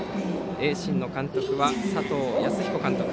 盈進の監督は佐藤康彦監督。